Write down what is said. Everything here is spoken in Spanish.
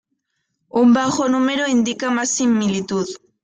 Un bajo número indica más similitud.